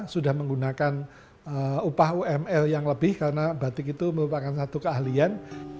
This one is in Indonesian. sudah menggunakan upah uml yang lebih karena batik itu merupakan satu keahlian